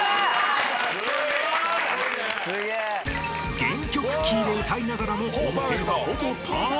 ［原曲キーで歌いながらも音程はほぼパーフェクト］